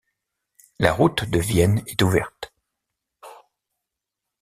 La route de Vienne est ouverte.